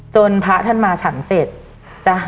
จนพระท่านมาฉันเสร็จ